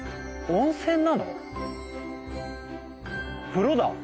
風呂だ！